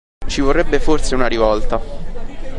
Ci vorrebbe forse una rivolta.